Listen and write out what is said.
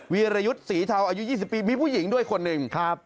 ีรยุทธ์สีเทาอายุ๒๐ปีมีผู้หญิงด้วยคนหนึ่งครับ